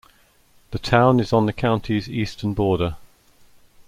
The town is on the county's eastern border.